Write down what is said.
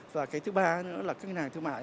và cái thứ ba nữa là các ngân hàng thương mại